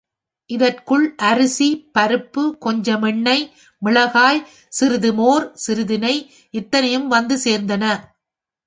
இதற்குள் அரிசி, பருப்பு, கொஞ்சம் எண்ணெய், மிளகாய், சிறிது மோர், சிறிது நெய் இத்தனையும் வந்து சேர்ந்தன.